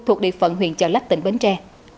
thuộc địa phận huyện chợ lách tỉnh bến tre